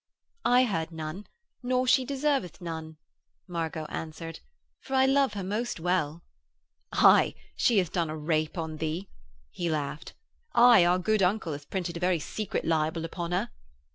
'I heard none, nor she deserveth none,' Margot answered. 'For I love her most well.' 'Aye, she hath done a rape on thee,' he laughed. 'Aye, our good uncle hath printed a very secret libel upon her.'